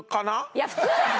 いや普通だよ！